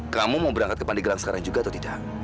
kamu mau berangkat ke pandeglang sekarang juga atau tidak